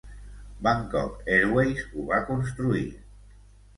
Bangkok Airways ho va construir.